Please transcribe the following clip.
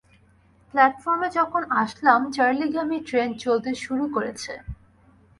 প্ল্যাটফর্মে যখন আসলাম, চার্লিগামী ট্রেন চলতে শুরু করেছে।